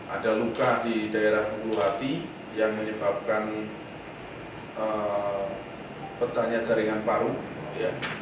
ada luka di daerah bulu hati yang menyebabkan pecahnya jaringan paru ya